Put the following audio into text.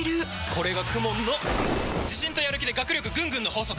これがＫＵＭＯＮの自信とやる気で学力ぐんぐんの法則！